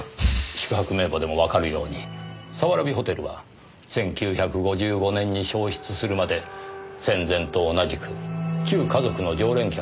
宿泊名簿でもわかるように早蕨ホテルは１９５５年に焼失するまで戦前と同じく旧華族の常連客でにぎわっていました。